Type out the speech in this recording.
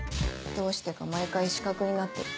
どうしてか毎回死角になってる。